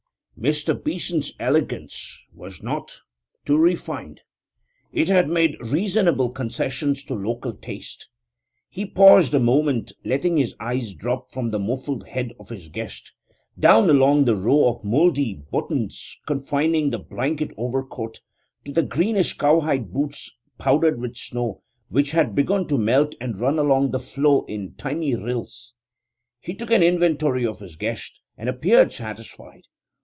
Mr. Beeson's elegance was not too refined; it had made reasonable concessions to local taste. He paused a moment, letting his eyes drop from the muffled head of his guest, down along the row of mouldy buttons confining the blanket overcoat, to the greenish cowhide boots powdered with snow, which had begun to melt and run along the floor in little rills. He took an inventory of his guest, and appeared satisfied.